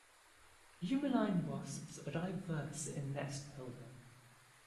Eumenine wasps are diverse in nest building.